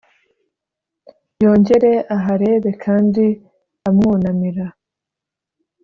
yongere aharebe kandi amwunamira.